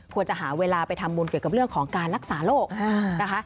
ควรจะหาเวลาไปทำบุญเกี่ยวกับเรื่องของการรักษาโรคนะคะ